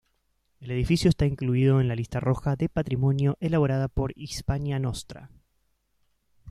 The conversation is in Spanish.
El edificio está incluido en la Lista Roja de Patrimonio elaborada por Hispania Nostra.